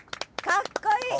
かっこいい！